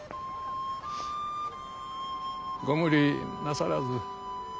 ご無理なさらず。